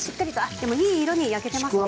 でもいい色に焼けてますね。